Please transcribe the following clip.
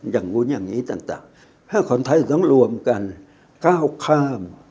อย่างนู้นอย่างนี้ต่างถ้าคนไทยต้องรวมกันก้าวข้าม